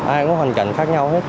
ai cũng có hoàn cảnh khác nhau hết